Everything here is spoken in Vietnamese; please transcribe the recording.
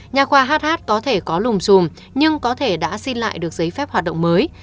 nhà khoa hh có thể có lùm xùm nhưng có thể đã xin lại được giấy phép hoạt động mới